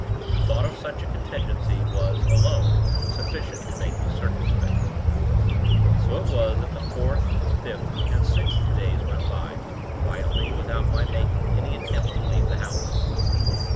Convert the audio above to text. The thought of such a contingency, was, alone, sufficient to make me circumspect. So it was, that the fourth, fifth and sixth days went by, quietly, without my making any attempt to leave the house.